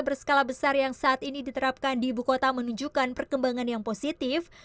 berskala besar yang saat ini diterapkan di ibu kota menunjukkan perkembangan yang positif